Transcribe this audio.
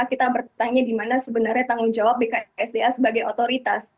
kita bertanya di mana sebenarnya tanggung jawab bksda sebagai otoritas